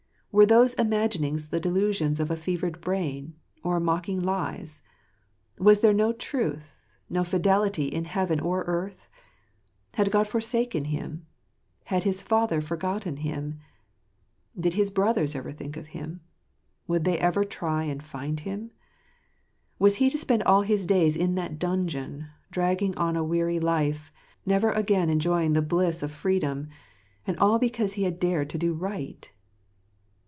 Were those imaginings the delusions of a fevered brain, or mock ing lies ? Was there no truth, no fidelity, in heaven or earth? Had God forsaken him ? Had his father forgotten him ? Did his brothers ever think of him ? Would they ever try and find him ? Was he to spend all his days ih that dungeon, dragging on a weary life, never again enjoying the bliss of \ freedom : and all because he had dared to do right